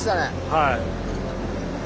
はい。